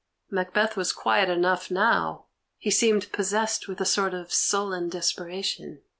Macbeth was quiet enough now; he seemed possessed with a sort of sullen desperation.